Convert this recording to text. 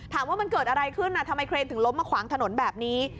ว่ามันเกิดอะไรขึ้นทำไมเครนถึงล้มมาขวางถนนแบบนี้